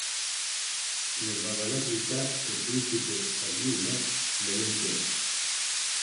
En el "Bhagavad-guitá", el príncipe Áryuna lo mencionó.